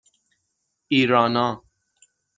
ایرانا